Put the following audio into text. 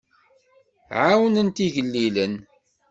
Ɛawnent igellilen.